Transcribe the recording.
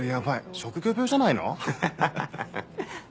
職業病じゃないの？